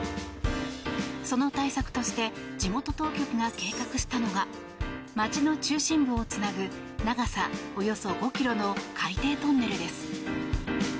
その対策として地元当局が計画したのが街の中心部をつなぐ長さおよそ５ｋｍの海底トンネルです。